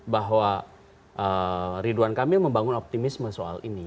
bahwa ridwan kamil membangun optimisme soal ini